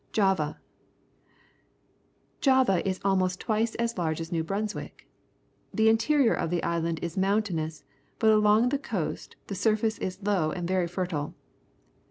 Java. — Java is almost twice as large as New Brunswick. The interior of the island is mountainous, but along the coast the sur face is low and very fertile.